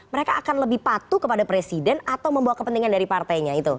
mereka akan lebih patuh kepada presiden atau membawa kepentingan dari partainya itu